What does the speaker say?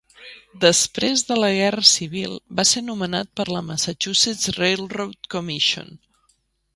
Després de la Guerra Civil, va ser nomenat per a la Massachusetts Railroad Commission.